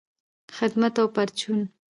خدمت او پرچون